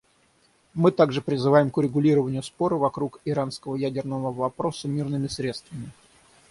Мы также призываем к урегулированию спора вокруг иранского ядерного вопроса мирными средствами.